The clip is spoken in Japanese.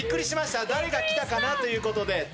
誰が来たかなという事で。